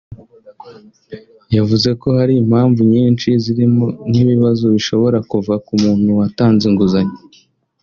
yavuze ko hari impamvu nyinshi zirimo nk’ibibazo bishobora kuva ku muntu watanze inguzanyo